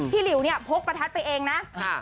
หลิวเนี่ยพกประทัดไปเองนะ